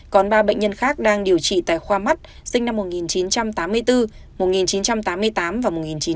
còn ba bệnh nhân khác đang điều trị tại khoa mắt sinh năm một nghìn chín trăm tám mươi bốn một nghìn chín trăm tám mươi tám và một nghìn chín trăm tám mươi